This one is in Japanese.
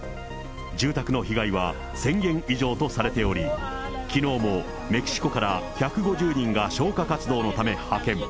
住宅の被害は１０００軒以上とされており、きのうもメキシコから１５０人が消火活動のため派遣。